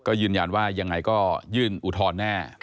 ก็ยืนยันว่ายังไงก็ยื่นอุทธรณ์แน่